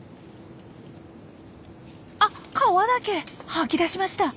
あ皮だけ吐き出しました。